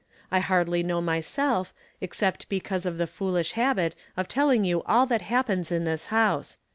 I hardly know myself, except because of the fool ish habit of telling you all that happens in this house.